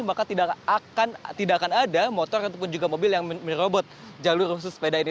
maka tidak akan ada motor ataupun juga mobil yang merobot jalur khusus sepeda ini